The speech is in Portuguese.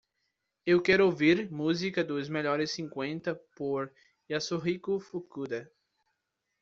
Eu quero ouvir música dos melhores cinquenta por Yasuhiko Fukuda